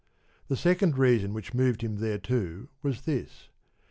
The second reason which moved him thereto was this.